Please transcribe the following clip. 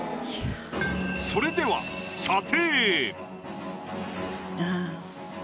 それでは査定。